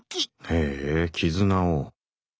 へえ絆を。